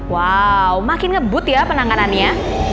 wow makin ngebut ya penanganannya